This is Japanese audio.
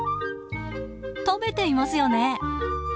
食べていますよね。